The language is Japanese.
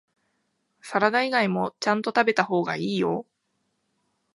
サラダ以外もちゃんと食べた方がいいよ